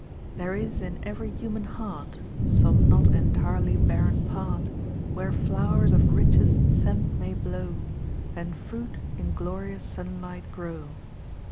"There is in every human heart Some not entirely barren part, Where flowers of richest scent may blow, And fruit in glorious sunlight grow."